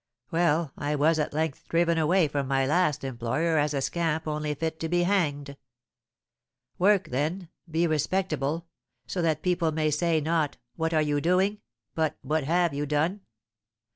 Well, I was at length driven away from my last employer as a scamp only fit to be hanged. Work, then, be respectable, so that people may say, not 'What are you doing?' but 'What have you done?'